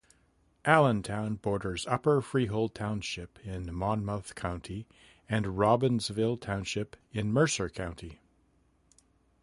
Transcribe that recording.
Allentown borders Upper Freehold Township in Monmouth County and Robbinsville Township in Mercer County.